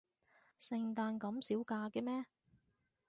聖誕咁少假嘅咩？